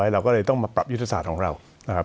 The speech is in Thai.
เราก็เลยต้องมาปรับยุทธศาสตร์ของเรานะครับ